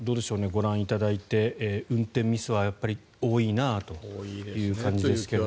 ご覧いただいて運転ミスは多いなという感じですが。